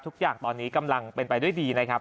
ทุกอย่างตอนนี้กำลังเป็นไปด้วยดีนะครับ